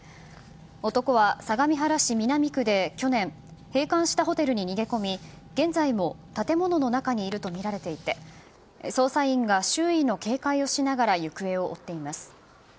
男は、相模原市南区で去年閉館したホテルに逃げ込み現在も建物の中にいるとみられていて捜査員が周囲の警戒をしながら行方を追っています。